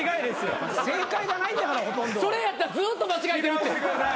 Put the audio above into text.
それやったらずっと間違えてるって。